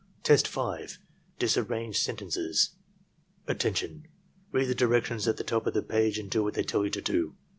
Test 6. — ^Disarranged Sentences "Attention! Read the directions at the top of the page and do what they tell you to do.